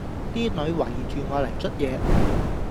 啲女圍住我嚟捽嘢